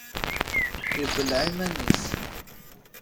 Ibelleɛ iman-is.